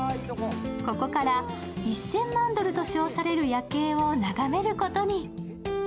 ここから１０００万ドルと称される夜景を眺めることに。